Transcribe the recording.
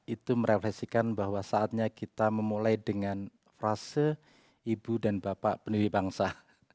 itu merefleksikan bahwa saatnya kita memulai dengan frase ibu dan bapak pendiri bangsa